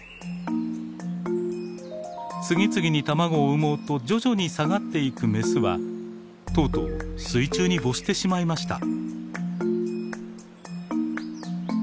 次々に卵を産もうと徐々に下がっていくメスはとうとう水中に没してしまいました。